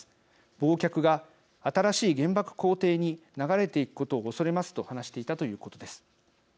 忘却が新しい原爆肯定に流れていくことを恐れます」と話していたということです。